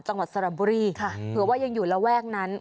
จังหวัดสระบุรีเผื่อว่ายังอยู่ระแวกนั้น